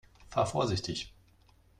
Fahr vorsichtig!